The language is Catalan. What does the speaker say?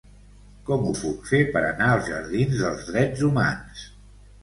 Com ho puc fer per anar als jardins dels Drets Humans?